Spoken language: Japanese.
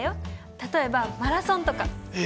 例えばマラソンとか。え！